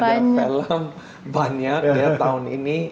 ada film banyak ya tahun ini